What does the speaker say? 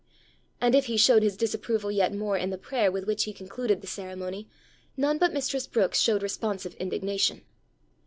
And if he showed his disapproval yet more in the prayer with which he concluded the ceremony, none but mistress Brookes showed responsive indignation.